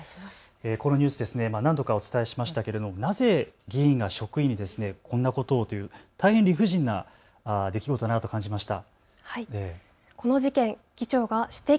このニュース、何度かお伝えしましたけれどなぜ議員が職員にこんなことをという大変理不尽な出来事だと感じました。